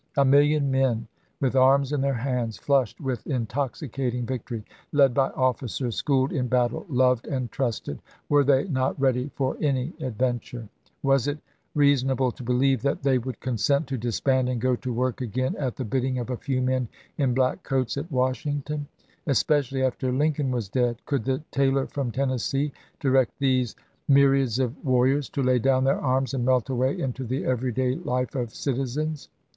A million men, with arms in their hands, flushed with intoxicating victory, led by officers schooled in battle, loved and trusted — were they not ready for any adventure ? Was it reasonable to believe that they would consent to disband and go to work again at the bidding of a few men in black coats at Washington? Especially after Lincoln was dead, could the tailor from Tennessee direct these myr iads of warriors to lay down their arms and melt away into the everyday life of citizens